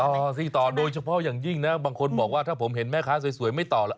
ต่อสิต่อโดยเฉพาะอย่างยิ่งนะบางคนบอกว่าถ้าผมเห็นแม่ค้าสวยไม่ต่อแล้ว